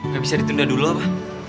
ga bisa ditunda dulu apa